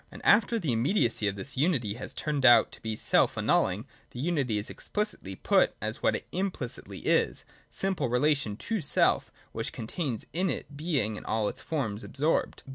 And (y) after the immediacy of this unity has turned out to be self annulling, the unity is explicitly put as Vv^hat it implicitly is, simple relation to self, which contains in it being and all its forms absorbed.